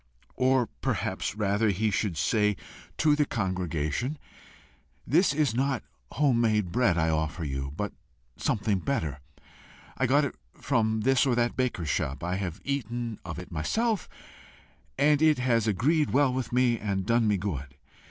Or perhaps rather, he should say to the congregation 'This is not home made bread I offer you, but something better. I got it from this or that baker's shop. I have eaten of it myself, and it has agreed well with me and done me good.